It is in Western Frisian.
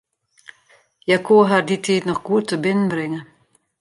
Hja koe har dy tiid noch goed tebinnenbringe.